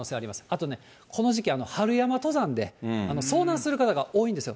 あとこの時期、春山登山で、遭難する方が多いんですよ。